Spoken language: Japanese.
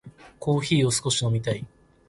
コーヒーを少し飲みたい。